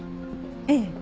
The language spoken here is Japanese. ええ。